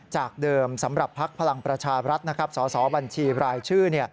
จากเดิมสำหรับภักดิ์พลังประชารัฐสสบัญชีรายชื่อ